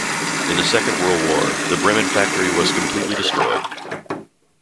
In the Second World War, the Bremen factory was completely destroyed.